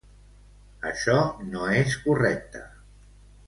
Això no és correcte.